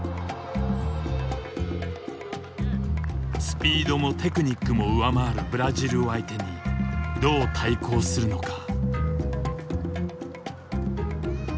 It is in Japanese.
スピードもテクニックも上回るブラジルを相手にどう対抗するのか。